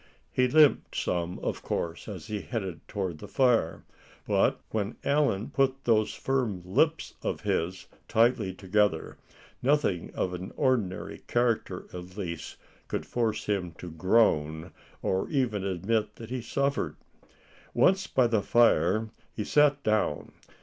He limped some, of course, as he headed toward the fire; but when Allan put those firm lips of his tightly together, nothing of an ordinary character at least, could force him to groan, or even admit that he suffered. Once by the fire he sat down.